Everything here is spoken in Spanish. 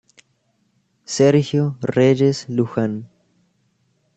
Sergio Reyes Luján.